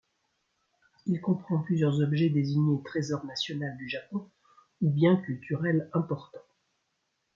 Il comprend plusieurs objets désignés trésor national du Japon ou bien culturel important.